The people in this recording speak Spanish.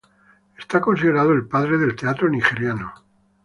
Es considerado el padre del teatro nigeriano.